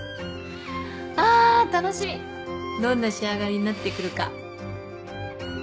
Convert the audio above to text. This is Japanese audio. あぁ楽しみどんな仕上がりになってくるか。